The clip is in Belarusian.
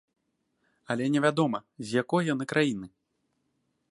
Але невядома, з якой яны краіны.